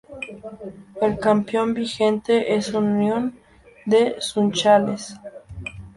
El campeón vigente es Union de Sunchales.